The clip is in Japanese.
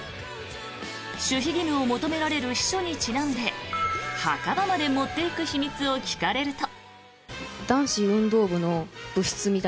守秘義務を求められる秘書にちなんで墓場まで持っていく秘密を聞かれると。